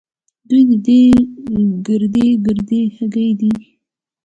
دوې دې ګردۍ ګردۍ هګۍ دي.